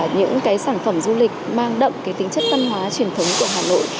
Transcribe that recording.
những sản phẩm du lịch mang đậm tính chất văn hóa truyền thống của hà nội